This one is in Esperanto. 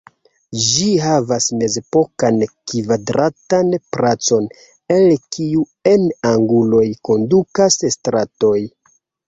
Ĝi havas mezepokan kvadratan placon, el kiu en anguloj kondukas stratoj.